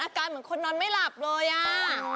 อาการเหมือนคนนอนไม่หลับเลยล่ะ